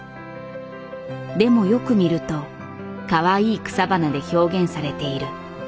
でもよく見るとかわいい草花で表現されている。